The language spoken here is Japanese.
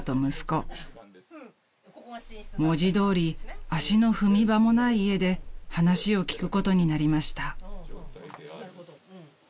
［文字どおり足の踏み場もない家で話を聞くことになりました］